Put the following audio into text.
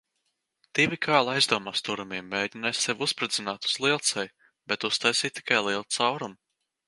Divi kaili aizdomās turamie mēģināja sevi uzspridzināt uz lielceļa, bet uztaisīja tikai lielu caurumu.